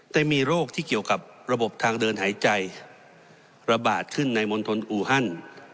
แต่มีโรคที่เกี่ยวกับระบบทางเดินหายใจระบาดขึ้นในมณฑลอูฮัน